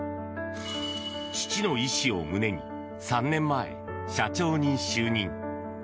父の遺志を胸に３年前、社長に就任。